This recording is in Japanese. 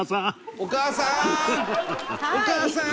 お母さーん！